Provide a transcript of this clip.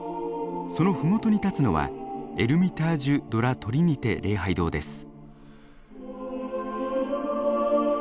その麓に立つのはエルミタージュ・ド・ラ・トリニテ礼拝堂です。